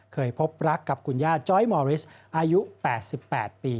เคยพบรักกับคุณย่าจ้อยมอริสอายุ๘๘ปี